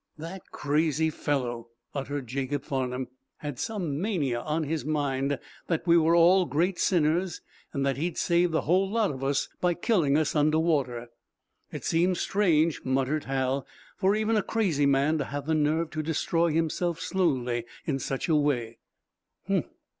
"That crazy fellow," uttered Jacob Farnum, "had some mania on his mind that we were all great sinners, and that he'd save the whole lot of us by killing us under water." "It seems strange," muttered Hal, "for even a crazy man to have the nerve to destroy himself slowly in such a way."